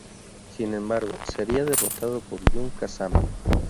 Sin embargo, sería derrotado por Jun Kazama.